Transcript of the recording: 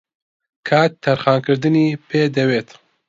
کات تەرخانکردنی پێدەوێت